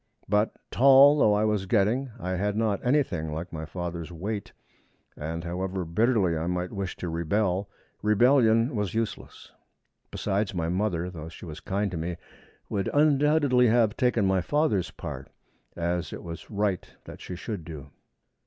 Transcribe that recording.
But, tall though I was getting, I had not anything like my father's weight, and, however bitterly I might wish to rebel, rebellion was useless. Besides, my mother, though she was kind to me, would undoubtedly have taken my father's part, as it was right that she should do.